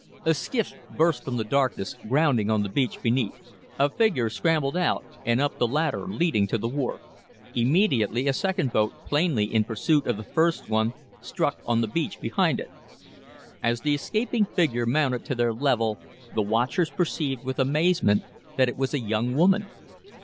A skiff burst from the darkness, grounding on the beach beneath. A figure scrambled out and up the ladder leading to the wharf. Immediately a second boat, plainly in pursuit of the first one, struck on the beach behind it. As the escaping figure mounted to their level the watchers perceived with amazement that it was a young woman.